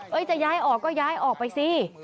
จะย้ายออกก็ย้ายออกไปสิ